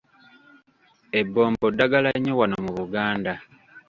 Ebbombo ddagala nnyo wano mu Buganda